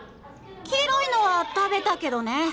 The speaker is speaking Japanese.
黄色いのは食べたけどね。